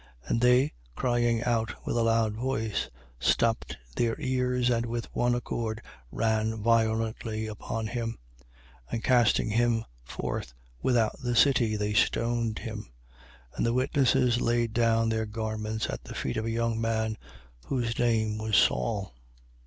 7:56. And they, crying out with a loud voice, stopped their ears and with one accord ran violently upon him. 7:57. And casting him forth without the city. they stoned him. And the witnesses laid down their garments at the feet of a young man, whose name was Saul.